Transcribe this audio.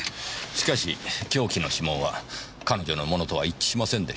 しかし凶器の指紋は彼女のものとは一致しませんでした。